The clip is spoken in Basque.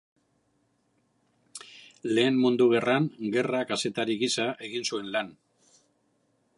Lehen Mundu Gerran gerra kazetari gisa egin zuen lan.